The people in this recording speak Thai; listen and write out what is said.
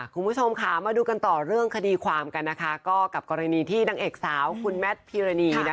คุณผู้ชมค่ะมาดูกันต่อเรื่องคดีความกันนะคะก็กับกรณีที่นางเอกสาวคุณแมทพีรณี